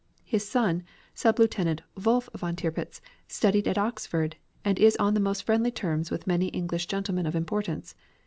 His son, Sub Lieutenant Wolf Von Tirpitz, studied at Oxford, and is on the most friendly terms with many English gentlemen of importance.